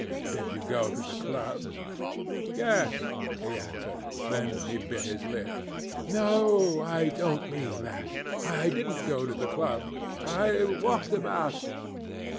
"Did you go to the club?" "Yes," he answered. Then he bit his lip. "No, I don't mean that. I didn't go to the club. I walked about.